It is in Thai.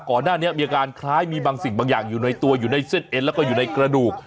ก่อนหน้านี้มีอาการคล้ายมีบางสิ่งบางอย่างอยู่ในตัวอยู่ในเส้นเอ็นแล้วก็อยู่ในกระดูก